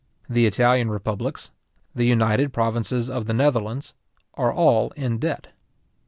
The Italian republics, the United Provinces of the Netherlands, are all in debt.